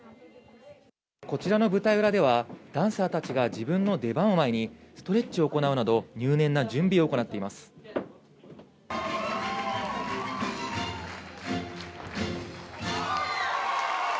こちらの舞台裏では、ダンサーたちが自分の出番を前に、ストレッチを行うなど、入念な準備を行っています。